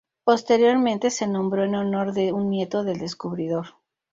Posteriormente se nombró en honor de un nieto del descubridor.